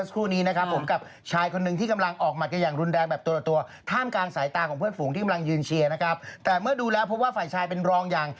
ผู้ชายเอาหมาปืนวาง